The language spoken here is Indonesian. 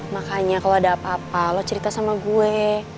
makanya kalau ada apa apa lo cerita sama gue